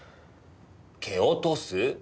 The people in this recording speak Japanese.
蹴落とす？